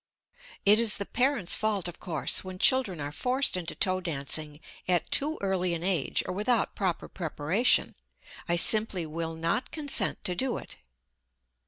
It is the parents' fault, of course, when children are forced into toe dancing at too early an age or without proper preparation. I simply will not consent to do it.